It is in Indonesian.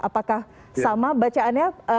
apakah sama bacaannya